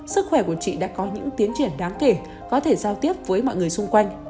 sức khỏe của chị đã có những tiến triển đáng kể có thể giao tiếp với mọi người xung quanh